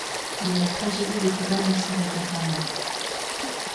Mais la tragédie des combats ne s'arrêta pas là.